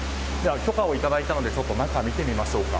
許可をいただいたのでちょっと中を見てみましょうか。